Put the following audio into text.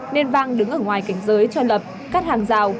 nên vang đứng ở ngoài cảnh giới cho lập cắt hàng rào